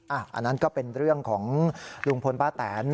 อันนั้นก็เป็นเรื่องของลุงพลป้าแตน